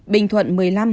bình thuận một mươi năm